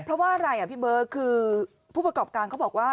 เพราะว่าอะไรอ่ะพี่เบิร์ตคือผู้ประกอบการเขาบอกว่า